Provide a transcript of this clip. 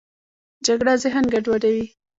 جګړه ذهن ګډوډوي